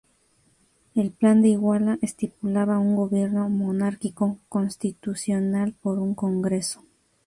El Plan de Iguala estipulaba un gobierno monárquico-constitucional por un Congreso.